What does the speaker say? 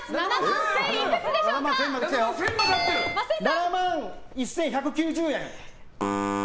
７万１１９０円。